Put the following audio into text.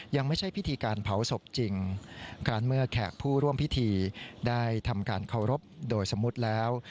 ยังไม่ใช่พิธีการเผาศพจริงการเมื่อแขกผู้ร่วมพิธีได้ทำการเคารพโดยสมมุติแล้ว